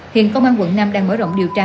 hiện công an quận năm đang mở rộng điều tra